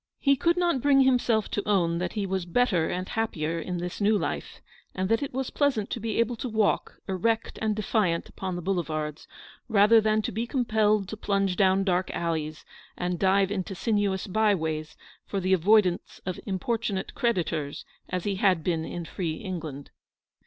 He could not bring himself to own that he was better and happier in this new life, and that it was pleasant to be able to walk erect and defiant upon the Boulevards, rather than to be compelled to plunge down dark alleys, and dive into sinuous byways, for the avoidance of importunate creditors, as he had been in free England.